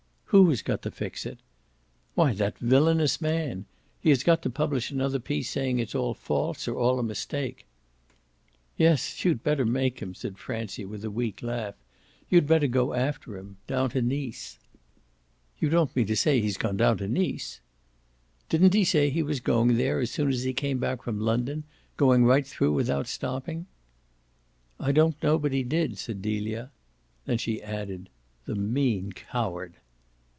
"Who has got to fix it?" "Why that villainous man. He has got to publish another piece saying it's all false or all a mistake." "Yes, you'd better make him," said Francie with a weak laugh. "You'd better go after him down to Nice." "You don't mean to say he's gone down to Nice?" "Didn't he say he was going there as soon as he came back from London going right through without stopping?" "I don't know but he did," said Delia. Then she added: "The mean coward!"